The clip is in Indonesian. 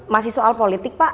masih soal politik pak